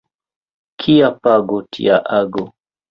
Kia pago, tia ago.